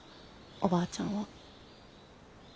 おばあちゃんは。